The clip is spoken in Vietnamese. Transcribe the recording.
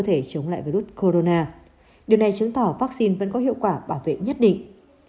thể chống lại virus corona điều này chứng tỏ vaccine vẫn có hiệu quả bảo vệ nhất định